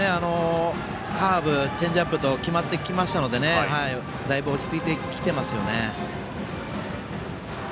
カーブ、チェンジアップと決まってきましたのでだいぶ、落ち着いてきてますね。